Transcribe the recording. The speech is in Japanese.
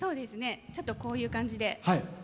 ちょっと、こういう感じで。